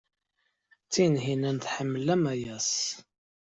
Tinhinan tḥemmel Amayas.